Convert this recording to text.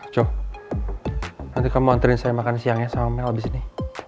coba nanti kamu anterin saya makan siangnya sama mel abis ini